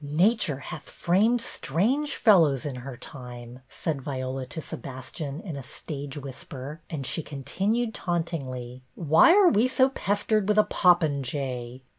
"Nature hath framed strange fellows in her time," said Viola to Sebastian in a stage whis per; and she continued, tauntingly, " Why are we so pestered with a popinjay